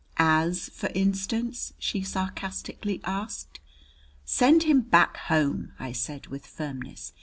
"As for instance?" she sarcastically asked. "Send him back home," I said with firmness.